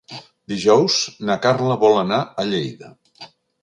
Dijous na Carla vol anar a Lleida.